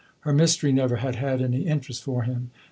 Her mystery never had had any interest for him.